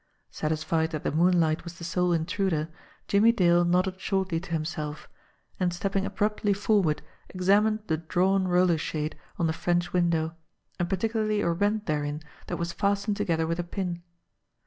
Satisfied that the moonlight was the sole intruder, Jimmie Dale nodded shortly to himself, and stepping abruptly for ward examined the drawn roller shade on the French win dow, and particularly a rent therein that was fastened to gether with a pin.